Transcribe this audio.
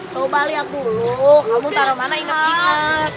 coba liat dulu kamu taro mana inget dua